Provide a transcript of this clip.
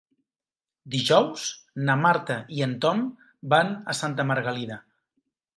Dijous na Marta i en Tom van a Santa Margalida.